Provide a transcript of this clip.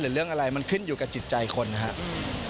เรื่องอะไรมันขึ้นอยู่กับจิตใจคนนะครับ